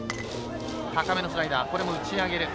高めのスライダーこれも打ち上げる。